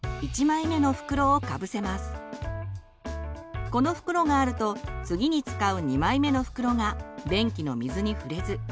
まずこの袋があると次に使う２枚目の袋が便器の水に触れずぬれないんです。